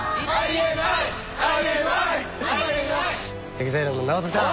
ＥＸＩＬＥのＮＡＯＴＯさん。